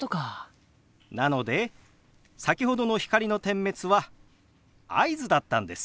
なので先ほどの光の点滅は合図だったんです。